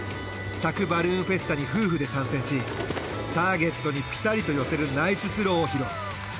佐久バルーンフェスタに夫婦で参戦しターゲットにピタリと寄せるナイススローを披露。